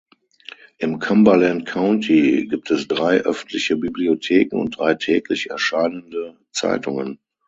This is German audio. Im Cumberland County gibt es drei öffentliche Bibliotheken und drei täglich erscheinende Zeitungen.